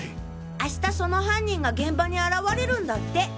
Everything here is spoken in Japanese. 明日その犯人が現場に現れるんだって。